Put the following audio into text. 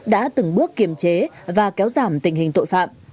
đã từng bước kiềm chế và kéo giảm tình hình tội phạm